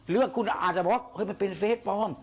เรื่องคุณอาจบอกว่ามันเป็มเพสพร้อม